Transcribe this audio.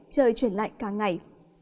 trời chuyển lạnh càng ngày